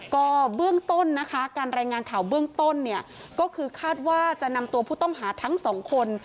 การรายงานข่าวเบื้องต้นก็คือคาดว่าจะนำตัวผู้ต้องหาทั้งสองคน